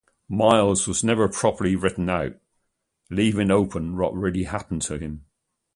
Miles was never properly written out, leaving open what really happened to him.